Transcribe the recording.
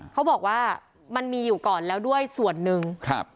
เขาบอกว่ามันมีอยู่ก่อนแล้วด้วยส่วนหนึ่งครับ